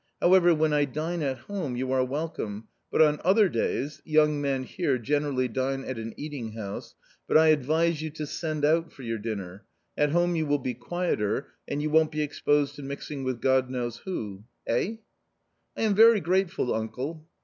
However, when I dine at home, you are welcome, but o n other days — young men herejgenerally dine at an eating* houSl but I adviae yuiTtb send out for you7"3Tnher; at home you will be quieter and you won't be exposed to mixing with God knows who. Eh ?"" I am very grateful, uncle."